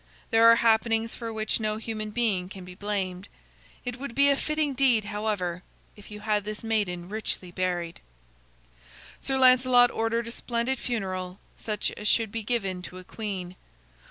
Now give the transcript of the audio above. There are happenings for which no human being can be blamed. It would be a fitting deed, however, if you had this maiden richly buried." Sir Lancelot ordered a splendid funeral, such as should be given to a queen.